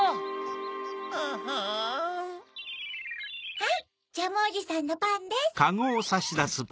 はいジャムおじさんのパンです。